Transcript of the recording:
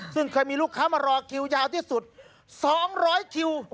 ซึ่งเคยมีลูกค้ามารอคิวยาวที่สุด๒๐๐คิว